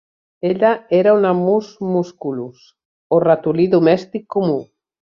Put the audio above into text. Ella era una "Mus musculus" o ratolí domèstic comú